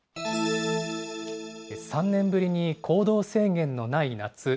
３年ぶりに行動制限のない夏。